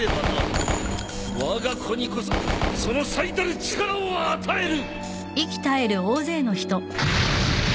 わが子にこそその最たる力を与える！